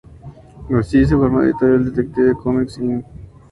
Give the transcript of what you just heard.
Así se formó la editorial Detective Comics, Inc.